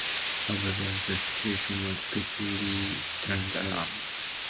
However, the situation was quickly turned around.